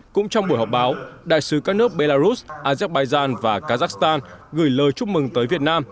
cũng trong buổi họp báo đại sứ các nước belarus azerbaijan và kazakhstan gửi lời chúc mừng tới việt nam